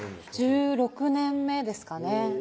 １６年目ですかね